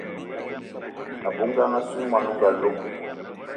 A bou ngang assou y mwani o nga lom.